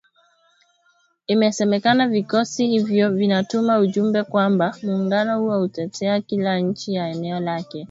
Imesemekana vikosi hivyo vinatuma ujumbe kwamba muungano huo utatetea kila nchi ya eneo lake